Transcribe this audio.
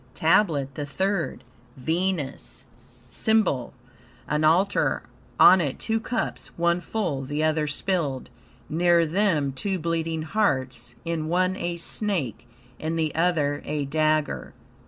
TABLET THE THIRD Venus SYMBOL An altar: on it two cups, one full, the other spilled; near them two bleeding hearts, in one a snake, in the other a dagger.